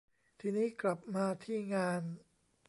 ที่นี้กลับมาที่งาน